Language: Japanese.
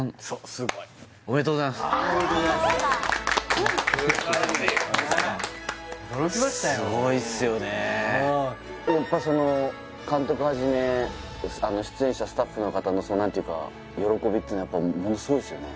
すごいっすよねやっぱその監督はじめ出演者スタッフの方の喜びっていうのはものすごいですよね